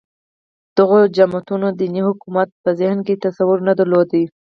دغو جماعتونو دیني حکومت په ذهن کې تصور نه درلود